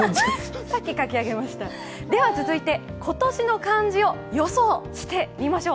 続いて今年の漢字を予想してみましょう。